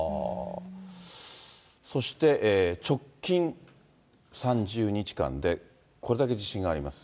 そして直近３０日間でこれだけ地震があります。